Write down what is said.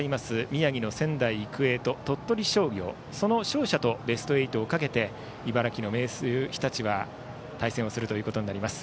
宮城の仙台育英と鳥取商業、その勝者とベスト８をかけて茨城の明秀日立対戦することになります。